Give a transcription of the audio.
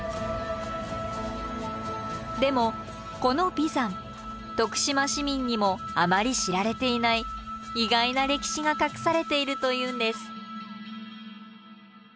でもこの眉山徳島市民にもあまり知られていない意外な歴史が隠されているというんです。